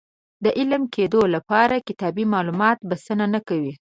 د عالم کېدو لپاره کتابي معلومات بسنه نه کوي.